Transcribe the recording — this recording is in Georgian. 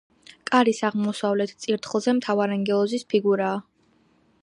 კარის აღმოსავლეთ წირთხლზე მთავარანგელოზის ფიგურაა.